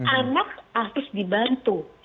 anak harus dibantu